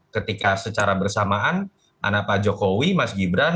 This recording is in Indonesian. ketika secara bersamaan anak pak jokowi mas gibran